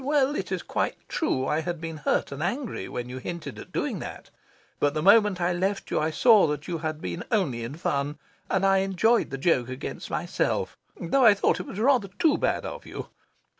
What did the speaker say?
Well, it is quite true I had been hurt and angry when you hinted at doing that, but the moment I left you I saw that you had been only in fun, and I enjoyed the joke against myself, though I thought it was rather too bad of you.